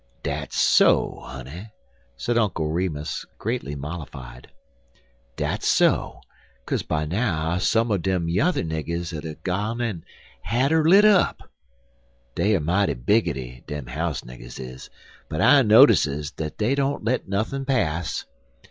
"Dat's so, honey," said Uncle Remus, greatly mollified; "dat's so, kaze by now some er dem yuther niggers 'ud er done had her lit up. Dey er mighty biggity, dem house niggers is, but I notices dat dey don't let nuthin' pass.